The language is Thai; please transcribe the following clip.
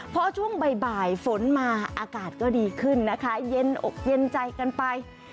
พอช่วงบ่ายฝนมาอากาศก็ดีขึ้นนะคะเย็นอกเย็นใจกันไป